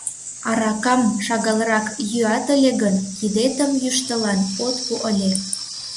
Аракам шагалрак йӱат ыле гын, кидетым йӱштылан от пу ыле.